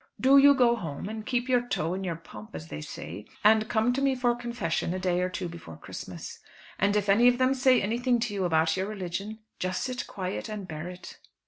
Do you go home, and keep your toe in your pump, as they say, and come to me for confession a day or two before Christmas. And if any of them say anything to you about your religion, just sit quiet and bear it."